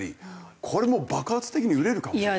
これ爆発的に売れるかもしれません。